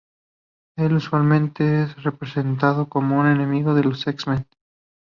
Él usualmente es representado como un enemigo de los X-Men.